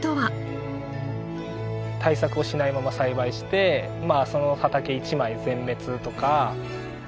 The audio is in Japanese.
対策をしないまま栽培してまあその畑一枚全滅とか。